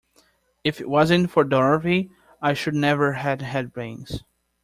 If it wasn't for Dorothy I should never have had brains.